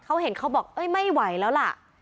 เขาเห็นเขาบอกเอ้ยไม่ไหวแล้วล่ะ